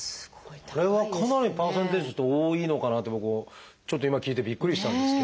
これはかなりパーセンテージ多いのかなと僕もちょっと今聞いてびっくりしたんですけど。